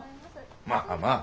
まあまあ。